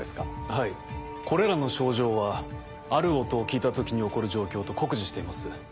はいこれらの症状はある音を聞いた時に起こる状況と酷似しています。